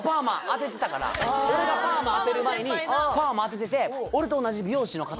俺がパーマあてる前にパーマあてててえ！